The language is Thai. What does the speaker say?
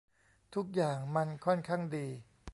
ทุกอย่างมันค่อนข้างดี